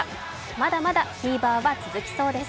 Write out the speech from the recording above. まだまだフィーバーは続きそうです。